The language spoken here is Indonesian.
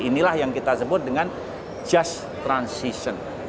inilah yang kita sebut dengan just transition